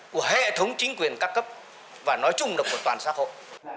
của hệ thống chính quyền các cấp và nói chung là của toàn xã hội